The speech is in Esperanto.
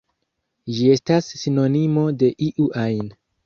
Ĝi estas sinonimo de "iu ajn".